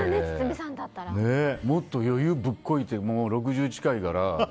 もっと余裕ぶっこいてもう６０近いから。